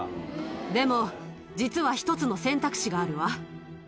でも、実は１つの選択肢があるわ。